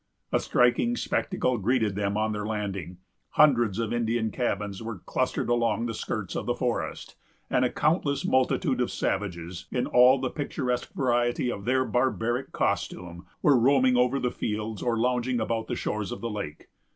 A striking spectacle greeted them on their landing. Hundreds of Indian cabins were clustered along the skirts of the forest, and a countless multitude of savages, in all the picturesque variety of their barbaric costume, were roaming over the fields, or lounging about the shores of the lake.